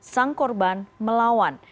sang korban melawan